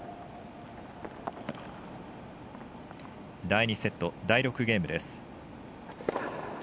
第２セット、第６ゲームです。